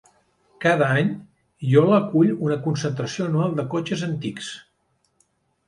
Cada any, Iola acull una concentració anual de cotxes antics.